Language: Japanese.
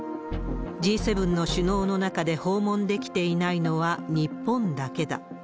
Ｇ７の首脳の中で訪問できていないのは、日本だけだ。